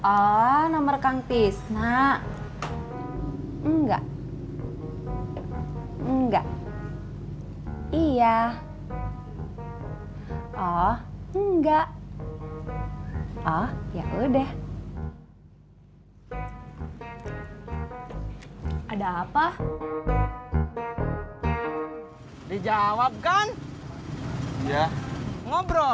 oh nomor kang pisna enggak enggak iya oh enggak oh ya udah ada apa dijawabkan ngobrol